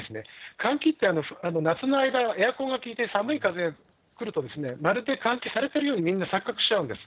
換気って、夏の間、エアコンが効いて寒い風が来るとですね、まるで換気されてるように錯覚しちゃうんです。